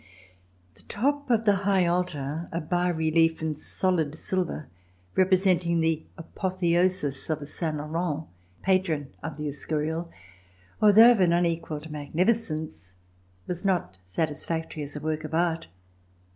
The top of the high altar, a bas relief in solid silver, representing the apotheosis of Saint Laurent, C258] VISIT TO PARIS Patron of the Escurial, although of an unequalled magnificence, was not satisfactory as a work of art.